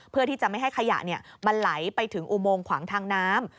เพื่อที่จะไม่ให้ขยะมันไหลไปถึงอุโมงขวางทางน้ำ